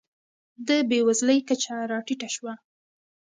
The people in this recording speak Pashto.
د بېوزلۍ کچه راټیټه شوه.